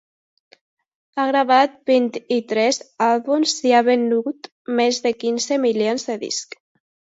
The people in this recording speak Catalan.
Ha gravat vint-i-tres àlbums i ha venut més de quinze milions de discs.